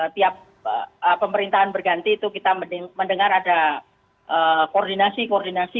tiap pemerintahan berganti itu kita mendengar ada koordinasi koordinasi